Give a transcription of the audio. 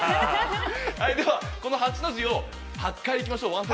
◆はい、では、この８の字を８回いきましょう。